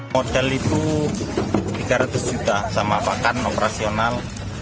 model itu rp tiga ratus juta sama pakan operasional